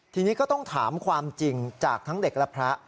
ทีนี้ก็ต้องถามความจริงจากทั้งเด็กและพระ